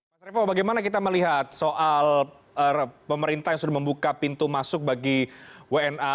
mas revo bagaimana kita melihat soal pemerintah yang sudah membuka pintu masuk bagi wna